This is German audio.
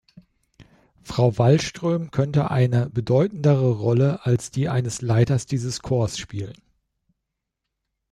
Frau Wallström könnte eine bedeutendere Rolle als die eines Leiters dieses Chors spielen.